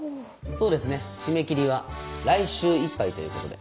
そうですね締め切りは来週いっぱいということで。